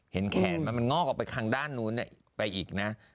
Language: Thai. เห็นแขนมันเงาะเข้าไปขางด้านนู้นไปอีกนะ